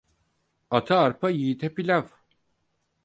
Ata arpa, yiğide pilav.